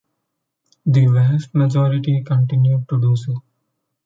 The vast majority continued to do so.